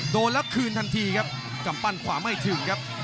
โดนแล้วคืนทันทีครับกำปั้นขวาไม่ถึงครับ